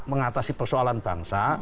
mengatasi persoalan bangsa